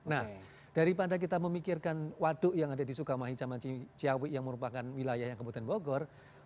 nah daripada kita memikirkan waduk yang ada di soekarno mahi dan jawi yang merupakan wilayah yang kebutuhan bogor